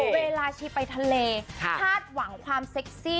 เวลาชีไปทะเลคาดหวังความเซ็กซี่